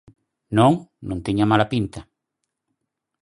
Non, non tiña mala pinta.